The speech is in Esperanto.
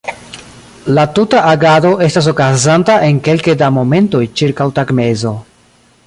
La tuta agado estas okazanta en kelke da momentoj ĉirkaŭ tagmezo.